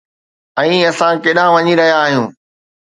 ۽ اسان ڪيڏانهن وڃي رهيا آهيون؟